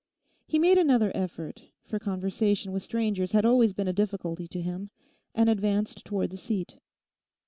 He made another effort—for conversation with strangers had always been a difficulty to him—and advanced towards the seat.